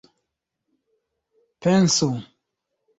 pensu